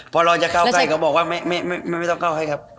พอเราจะเข้าใกล้เขาบอกว่าไม่ต้องเข้าให้ครับ